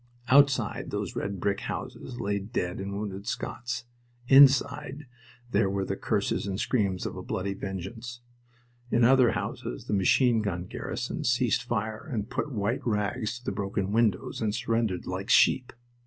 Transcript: Outside those red brick houses lay dead and wounded Scots. Inside there were the curses and screams of a bloody vengeance. In other houses the machine gun garrisons ceased fire and put white rags through the broken windows, and surrendered like sheep.